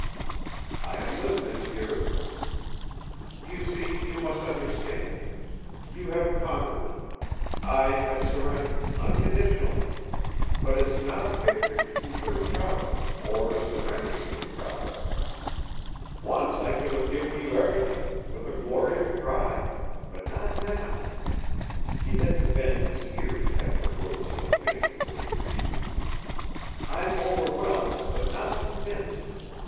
"I am listening, dearest." "You see you must understand. You have conquered. I have surrendered unconditionally. But it's not a victory to be very proud of or a surrender to be proud of. Once I could have given you everything with a glory of pride but not now." He had to bend his ear to catch her words so faintly were they breathed. "I'm overwhelmed, but not convinced.